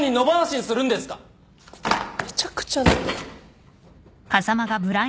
めちゃくちゃだ。